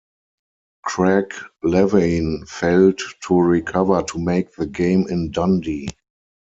Craig Levein failed to recover to make the game in Dundee.